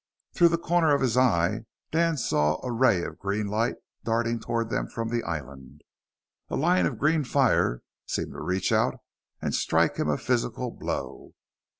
Through the corner of his eye, Dan saw a ray of green light darting toward them from the island. A line of green fire seemed to reach out and strike him a physical blow.